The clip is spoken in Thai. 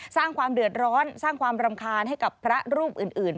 สร้างความเดือดร้อนสร้างความรำคาญให้กับพระรูปอื่น